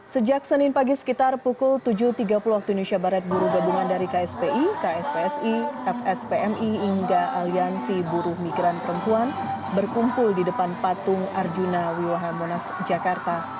sejak senin pagi sekitar pukul tujuh tiga puluh waktu indonesia barat buruh gabungan dari kspi kspsi fspmi hingga aliansi buruh migran perempuan berkumpul di depan patung arjuna wiwaha monas jakarta